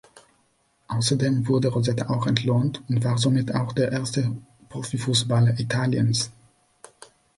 Außerdem wurde Rosetta auch entlohnt und war somit auch der erste Profifußballer Italiens.